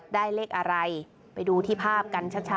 ได้เลขอะไรไปดูที่ภาพกันชัด